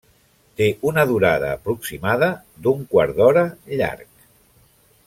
Té una durada aproximada d'un quart d'hora llarg.